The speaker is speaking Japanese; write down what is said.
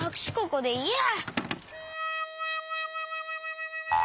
ここでいいや。